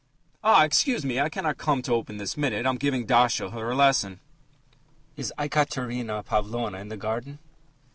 "Ah! Excuse me, I cannot come out to open this minute; I'm giving Dasha her lesson." "Is Ekaterina Pavlovna in the garden?"